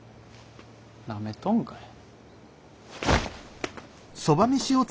なめとんかい？